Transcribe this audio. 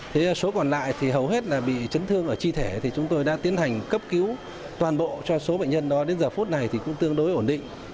thế số còn lại thì hầu hết là bị chấn thương ở chi thể thì chúng tôi đã tiến hành cấp cứu toàn bộ cho số bệnh nhân đó đến giờ phút này thì cũng tương đối ổn định